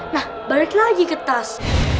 nah balik lagi ke tas